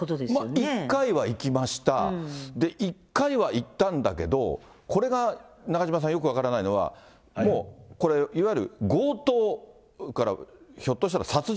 １回は行きました、１回は行ったんだけど、これが中島さん、よく分からないのは、もうこれ、いわゆる、強盗からひょっとしたら殺人？